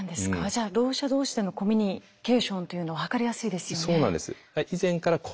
じゃあろう者同士でのコミュニケーションというのは図りやすいですよね。